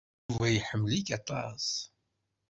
Yuba iḥemmel-ik aṭas.